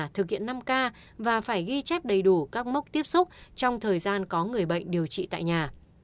thực hiện năm k và phải ghi chép đầy đủ các mốc tiếp xúc trong thời gian có người bệnh điều trị tại nhà